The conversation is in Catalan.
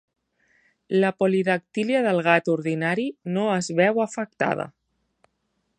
La polidactília del gat ordinari no es veu afectada.